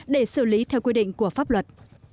để xử lý theo quy định của pháp luật